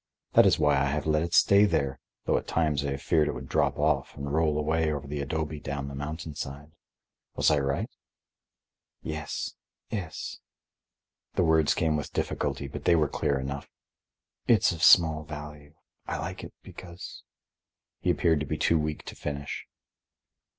That is why I have let it stay there, though at times I have feared it would drop off and roll away over the adobe down the mountain side. Was I right?" "Yes, yes." The words came with difficulty, but they were clear enough. "It's of small value. I like it because—" He appeared to be too weak to finish.